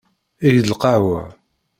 Eg-d lqahwa.